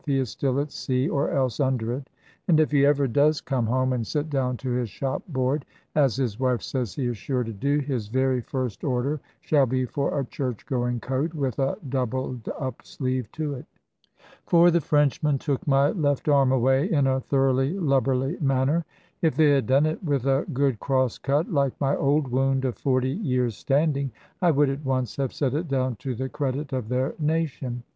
He is still at sea, or else under it; and if he ever does come home, and sit down to his shop board as his wife says he is sure to do his very first order shall be for a church going coat, with a doubled up sleeve to it. For the Frenchmen took my left arm away in a thoroughly lubberly manner. If they had done it with a good cross cut, like my old wound of forty years' standing, I would at once have set it down to the credit of their nation.